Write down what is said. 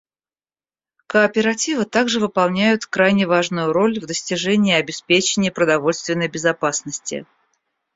Кооперативы также выполняют крайне важную роль в достижении и обеспечении продовольственной безопасности.